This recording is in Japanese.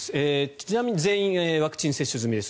ちなみに全員ワクチン接種済みです。